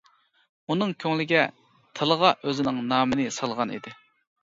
ئۇنىڭ كۆڭلىگە، تىلىغا ئۆزىنىڭ نامىنى سالغان ئىدى.